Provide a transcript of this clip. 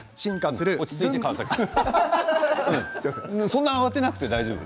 そんな慌てなくて大丈夫。